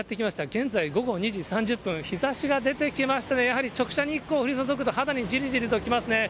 現在午後２時３０分、日ざしが出てきましたね、やはり直射日光降り注ぐと、肌にじりじりときますね。